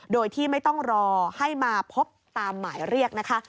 โดยที่ไม่ต้องรอให้มาพบตามหมายเรียกนะคะ